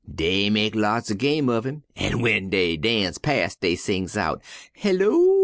Dey mek lots er game uv 'im, an' w'en dey darnse pas', dey sings out: 'Heyo!